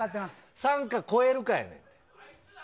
３か超えるかやねん。